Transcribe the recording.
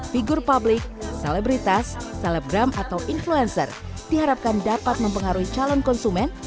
figur publik selebritas selebgram atau influencer diharapkan dapat mempengaruhi calon konsumen